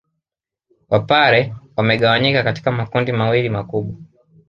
Wapare wamegawanyika katika makundi mawili makubwa